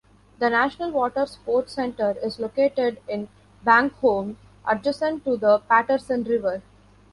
The National Water Sports Centre is located in Bangholme adjacent to the Patterson River.